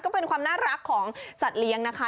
ก็เป็นความน่ารักของสัตว์เลี้ยงนะคะ